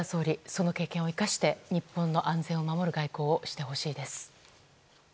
その経験を生かして日本の安全を守る外交をしてほしいです。